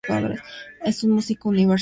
Es un músico universal.